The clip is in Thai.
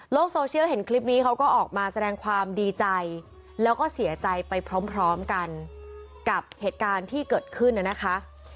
โซเชียลเห็นคลิปนี้เขาก็ออกมาแสดงความดีใจแล้วก็เสียใจไปพร้อมกันกับเหตุการณ์ที่เกิดขึ้นน่ะนะคะ